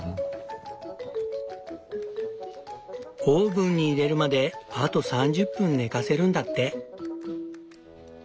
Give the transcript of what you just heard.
オーブンに入れるまであと３０分寝かせるんだって。